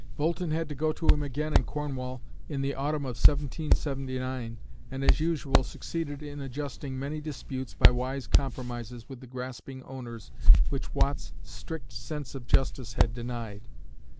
Boulton had to go to him again in Cornwall in the autumn of 1779, and as usual succeeded in adjusting many disputes by wise compromises with the grasping owners which Watt's strict sense of justice had denied.